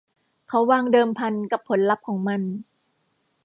เขาวางเดิมพันกับผลลัพธ์ของมัน